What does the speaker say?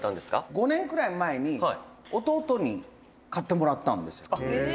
「５年くらい前に弟に買ってもらったんですよ」